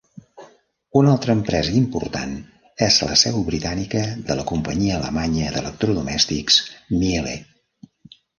Un altra empresa important és la seu britànica de la companyia alemanya d'electrodomèstics Miele.